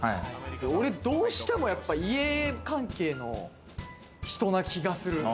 俺どうしても家関係の人な気がする。